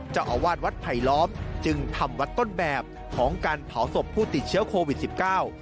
เจ้าอาวาสวัดไผลล้อมจึงทำวัดต้นแบบของการเผาศพผู้ติดเชื้อโควิดสิบเก้า